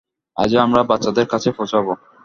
আজই আমরা বাচ্চাদের কাছে পৌঁছাবো।